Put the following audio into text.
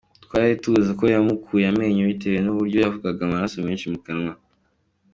Twari tuzi ko yamukuye amenyo bitewe n’uburyo yavaga amaraso menshi mu kanwa.